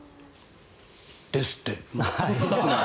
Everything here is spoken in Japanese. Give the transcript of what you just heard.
ですって。